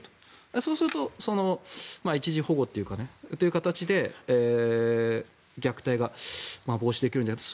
そうすると一時保護という形で虐待が防止できるのではないか。